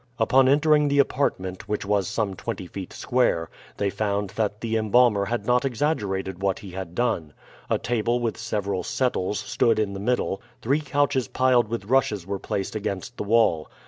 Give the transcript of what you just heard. Upon entering the apartment, which was some twenty feet square, they found that the embalmer had not exaggerated what he had done. A table with several settles stood in the middle; three couches piled with rushes were placed against the wall.